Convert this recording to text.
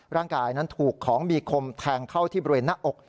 ร่างกายนั้นถูกของมีคมแทงเข้าที่บริเวณหน้าอก